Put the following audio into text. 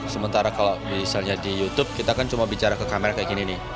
sementara kalau misalnya di youtube kita kan cuma bicara ke kamera kayak gini nih